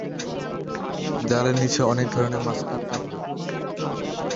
জালের নিচে অনেক ধরনের মাছ আটকা পড়ে।